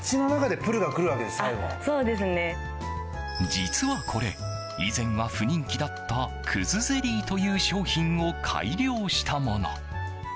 実は、これ以前は不人気だった葛ゼリーという商品を改良したもの。